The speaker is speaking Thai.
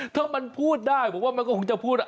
ถ้ามันพูดได้ผมว่ามันก็คงจะพูด